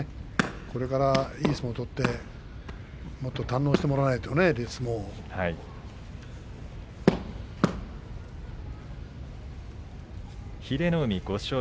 これからいい相撲を取ってもっと堪能してもらわないとねいい相撲をね。